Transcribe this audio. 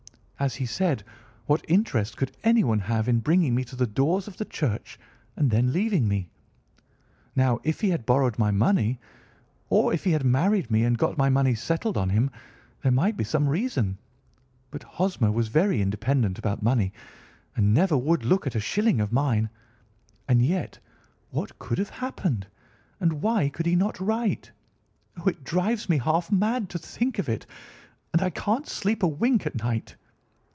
As he said, what interest could anyone have in bringing me to the doors of the church, and then leaving me? Now, if he had borrowed my money, or if he had married me and got my money settled on him, there might be some reason, but Hosmer was very independent about money and never would look at a shilling of mine. And yet, what could have happened? And why could he not write? Oh, it drives me half mad to think of it, and I can't sleep a wink at night."